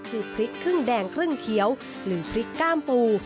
คือพริกครึ่งแดงครึ่งเขียวหรือพริกก้ามปู